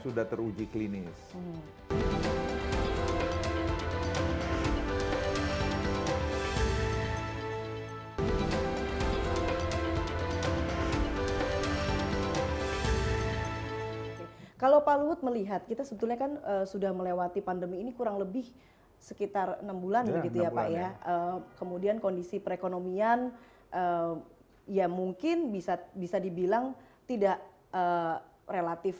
oke artinya seberapa besar